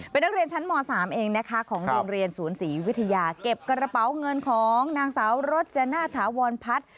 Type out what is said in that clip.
เป็นนักเรียนชั้นม๓เองนะคะของโรงเรียนศูนย์ศรีวิทยาเก็บกระเป๋าเงินของนางสาวรจนาถาวรพัฒน์